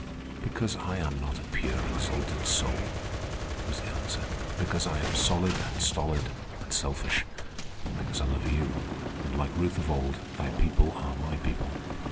"Because I am not a pure, exalted soul," was the answer. "Because I am solid and stolid and selfish. Because I love you and, like Ruth of old, thy people are my people.